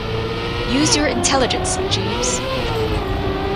Use your intelligence, Jeeves.